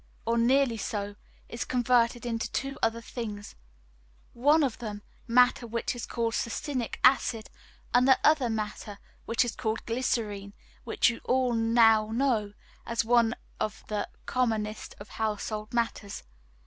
or nearly so, is converted into two other things; one of them, matter which is called succinic acid, and the other matter which is called glycerine, which you all know now as one of the commonest of household matters.